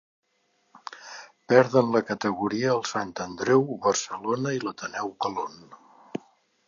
Perden la categoria el Sant Andreu, Barcelona i l'Ateneu Colón.